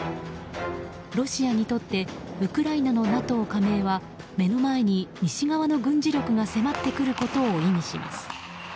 ロシアにとってウクライナのＮＡＴＯ加盟は目の前に西側の軍事力が迫ってくることを意味します。